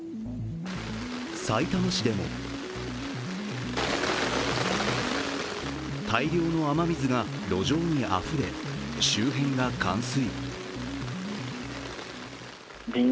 さいたま市でも大量の雨水が路上にあふれ、周辺が冠水。